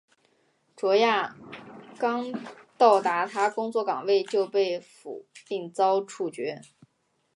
卓娅刚到达她工作岗位就被俘并遭处决。